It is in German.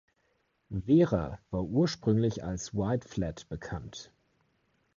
Vera war ursprünglich als White Flat bekannt.